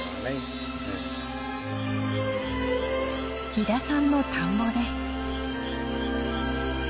飛田さんの田んぼです。